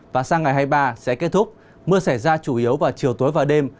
và sang ngày hai mươi ba sẽ kết thúc mưa xảy ra chủ yếu vào chiều tối và đêm